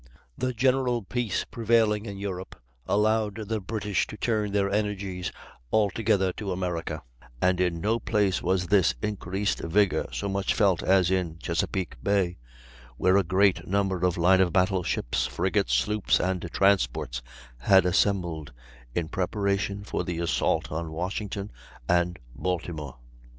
The general peace prevailing in Europe allowed the British to turn their energies altogether to America; and in no place was this increased vigor so much felt as in Chesapeake Bay where a great number of line of battle ships, frigates, sloops, and transports had assembled, in preparation for the assault on Washington and Baltimore.